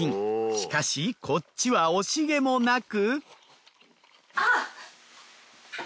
しかしこっちは惜しげもなく。